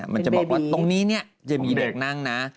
มันจะบอกว่าตรงนี้จะมีเด็กนั่งนะ